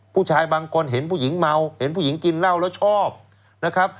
ผู้ชายบางคนเห็นผู้หญิงเมาเห็นผู้หญิงกินเหล้าแล้วชอบนะครับ